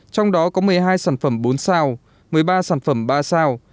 trong đó có một mươi hai sản phẩm bốn sao một mươi ba sản phẩm ba sao